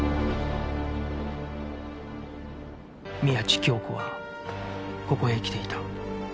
宮地杏子はここへ来ていた